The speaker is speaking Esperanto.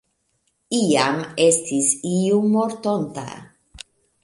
Iam estis iu mortonta.